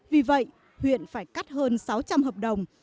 vì vậy huyện phải cắt hơn sáu trăm linh hợp đồng